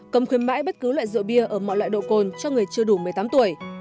cấm khuyến mãi bất cứ loại rượu bia ở mọi loại độ cồn cho người chưa đủ một mươi tám tuổi